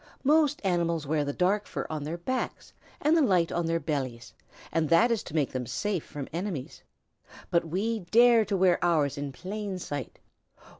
Most animals wear the dark fur on their backs and the light on their bellies, and that is to make them safer from enemies. But we dare to wear ours in plain sight.